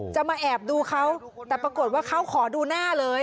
จะมาแอบดูเขาแต่ปรากฏว่าเขาขอดูหน้าเลย